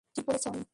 ঠিক বলেছ, লী।